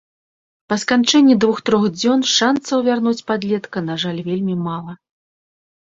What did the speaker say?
Па сканчэнні двух-трох дзён шанцаў вярнуць подлетка, на жаль, вельмі мала.